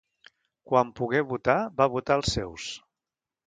Quan pogué votar, va votar els seus.